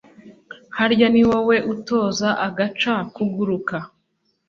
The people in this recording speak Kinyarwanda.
harya ni wowe utoza agaca kuguruka